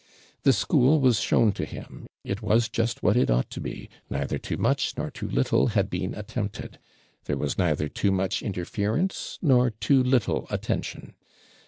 The school was shown to him: it was just what it ought to be neither too much nor too little had been attempted; there was neither too much interference nor too little attention.